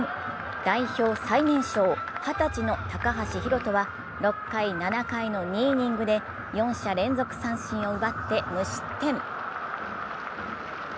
代表最年少、二十歳の高橋宏斗は６回・７回の２イニングで４者連続三振を奪って無失点。